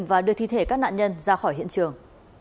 và đưa thi thể các nạn nhân ra khỏi hiện trường